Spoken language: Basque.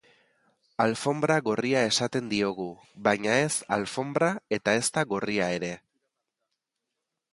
Alfonbra gorria esaten diogu, baina ez alfonbra eta ezta gorria ere.